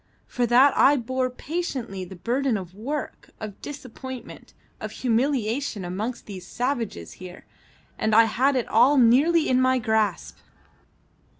For that I bore patiently the burden of work, of disappointment, of humiliation amongst these savages here, and I had it all nearly in my grasp."